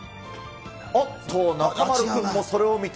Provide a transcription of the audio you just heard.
あっと、中丸君もそれを見て。